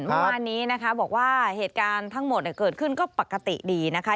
เมื่อวานนี้นะคะบอกว่าเหตุการณ์ทั้งหมดเกิดขึ้นก็ปกติดีนะคะ